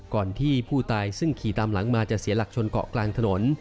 ก่อนที่ผู้ตายซึ่งขี่ตามหลังมาจะเสียหลักชนเกาะกลางถนน